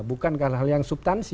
bukan hal hal yang subtansi